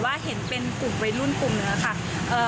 ว่าเห็นเป็นกลุ่มไวรุ่นกลุ่มเหมือนกันนะคะ